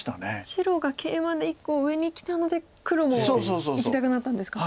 白がケイマで１個上にきたので黒もいきたくなったんですか。